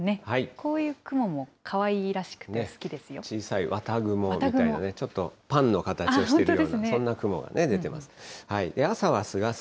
こういう雲もかわいらしくて好き小さい綿雲みたいなね、ちょっとパンの形をしてるような、そんな雲が出てます。